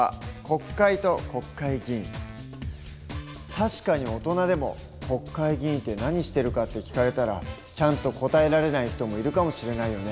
確かに大人でも国会議員って何してるかって聞かれたらちゃんと答えられない人もいるかもしれないよね。